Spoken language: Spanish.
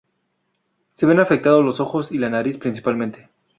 Se ven afectados los ojos y la nariz principalmente.